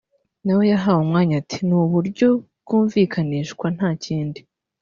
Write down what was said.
nawe yahawe umwanya ati “Ni uburyo byumvikanishwa nta kindi